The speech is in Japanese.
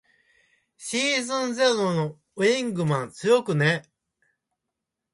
シーズンゼロのウィングマン強くね。